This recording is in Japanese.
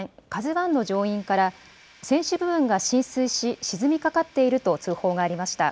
ＫＡＺＵわんの乗員から、船首部分が浸水し、沈みかかっていると通報がありました。